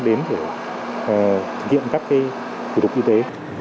đến để thực hiện các thủ tục y tế